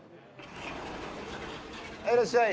はいいらっしゃい。